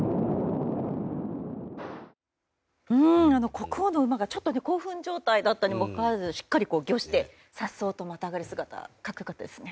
国王の馬がちょっと興奮状態だったにもかかわらずしっかり御してさっそうとまたがる姿格好良かったですね。